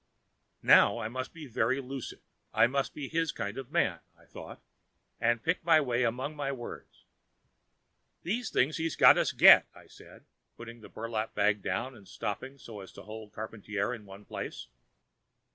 Now I must be very lucid; I must be his kind of man, I thought, and picked my way among my words. "These things he's had us get," I said, putting the burlap bag down and stopping so as to hold Charpantier in one place.